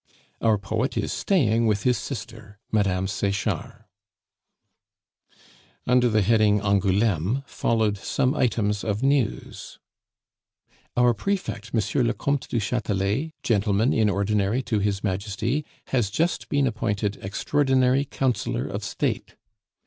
"Our poet is staying with his sister, Mme. Sechard." Under the heading "Angouleme" followed some items of news: "Our Prefect, M. le Comte du Chatelet, Gentleman in Ordinary to His Majesty, has just been appointed Extraordinary Councillor of State.